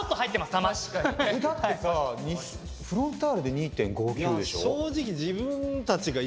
だってさフロンターレで２．５９でしょ。